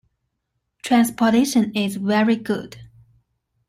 Transportation is very good.